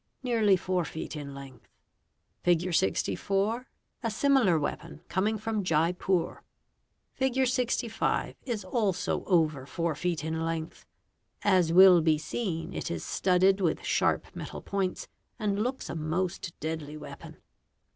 Nearly 4 feet in length. _ Figure 64: a similar weapon coming from Jaipur. _ Figure 65: is also over 4 feet in length. As will be seen it is studded ith sharp metal points and looks a most deadly weapon.